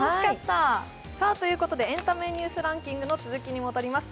エンタメニュースランキングの続きに戻ります。